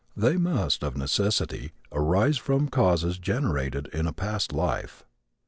They must of necessity arise from causes generated in a past life.